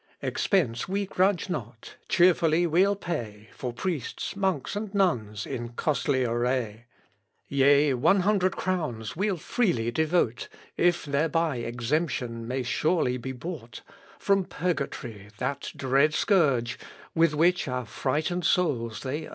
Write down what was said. Expence we grudge not; cheerfully we'll pay For priests, monks, and nuns, in costly array: Yea, one hundred crowns we'll freely devote If thereby exemption may surely be bought From purgatory, that dread scourge, With which our frightened souls they urge.